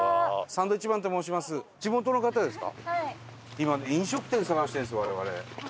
今飲食店探してるんです我々。